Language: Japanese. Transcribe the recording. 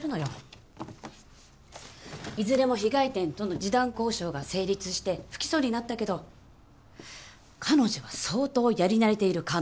いずれも被害店との示談交渉が成立して不起訴になったけど彼女は相当やり慣れている可能性が高い。